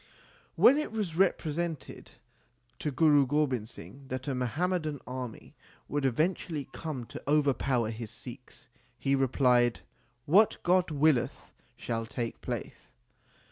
When it was represented to Guru Gobind Singh that a Muhammadan army would eventually come to overpower his Sikhs, he replied, What God willeth shall take place.